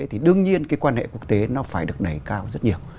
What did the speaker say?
thì đương nhiên cái quan hệ quốc tế nó phải được đẩy cao rất nhiều